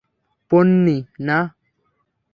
পোন্নি, না।